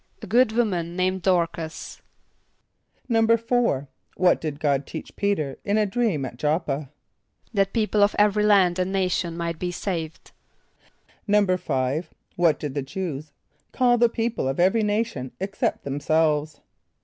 =A good woman named Dôr´cas.= =4.= What did God teach P[=e]´t[~e]r in a dream at J[)o]p´p[.a]? =That people of every land and nation might be saved.= =5.= What did the Jew[s+] call the people of every nation except themselves?